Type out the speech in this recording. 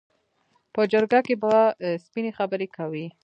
په جرګه کې به سپینې خبرې کوي.